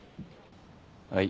はい。